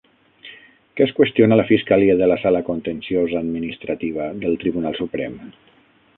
Què es qüestiona la fiscalia de la sala contenciosa-administrativa del Tribunal Suprem?